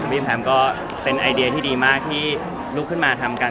พี่แพมก็เป็นไอเดียที่ดีมากที่ลุกขึ้นมาทำกัน